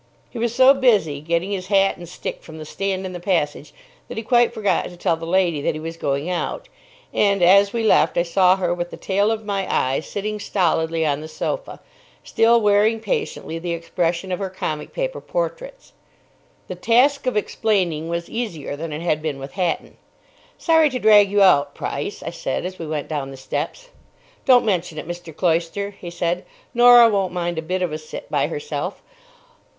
He was so busy getting his hat and stick from the stand in the passage that he quite forgot to tell the lady that he was going out, and, as we left, I saw her with the tail of my eye sitting stolidly on the sofa, still wearing patiently the expression of her comic paper portraits. The task of explaining was easier than it had been with Hatton. "Sorry to drag you out, Price," I said, as we went down the steps. "Don't mention it, Mr. Cloyster," he said. "Norah won't mind a bit of a sit by herself.